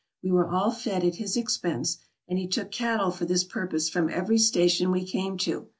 We were all fed at his expense, and he took cattle for this pur pose from every station we came to.